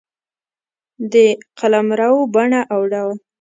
د قلمرو بڼه او ډول